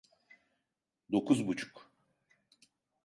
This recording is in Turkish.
Dokuz buçuk.